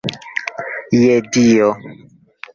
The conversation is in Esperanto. Je Dio!